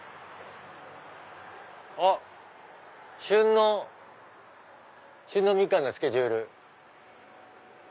あっ「旬のみかんスケジュール」。